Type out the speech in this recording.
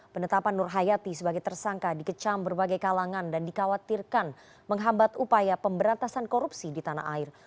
penetapan nur hayati sebagai tersangka dikecam berbagai kalangan dan dikhawatirkan menghambat upaya pemberantasan korupsi di tanah air